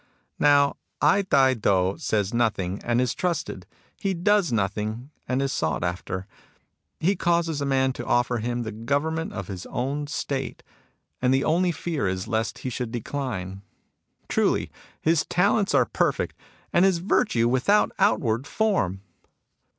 ..." Now Ai Tai To says nothing, and is trusted. He does nothing, and is sought after. He causes a man to offer him the government of his own 74 MUSINGS OF A CHINESE MYSTIC State, and the only fear is lest he should decline. Truly his talents are perfect, and his virtue without outward form